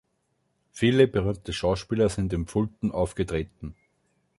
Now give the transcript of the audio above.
Viele berühmte Schauspieler sind im Fulton aufgetreten.